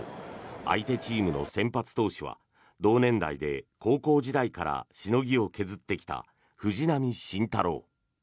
相手チームの先発投手は同年代で、高校時代からしのぎを削ってきた藤浪晋太郎。